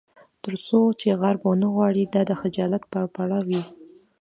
تر څو چې غرب ونه غواړي دا د خجالت پرپړه وي.